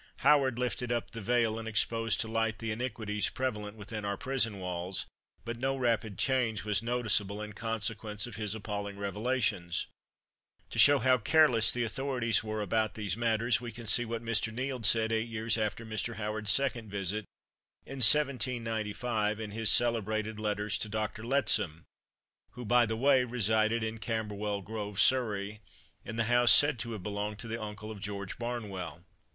Howard lifted up the veil and exposed to light the iniquities prevalent within our prison walls; but no rapid change was noticeable in consequence of his appalling revelations. To show how careless the authorities were about these matters, we can see what Mr. Nield said eight years after Mr. Howard's second visit, in 1795, in his celebrated letters to Dr. Lettsom, who, by the way, resided in Camberwell Grove, Surrey, in the house said to have belonged to the uncle of George Barnwell.